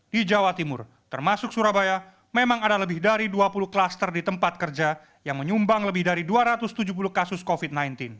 di jawa timur termasuk surabaya memang ada lebih dari dua puluh klaster di tempat kerja yang menyumbang lebih dari dua ratus tujuh puluh kasus covid sembilan belas